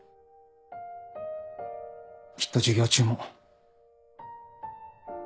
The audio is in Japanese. きっと授業中も。